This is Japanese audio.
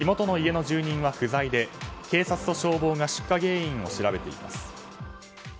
出火当時火元の家の住人は不在で警察と消防が出火原因を調べています。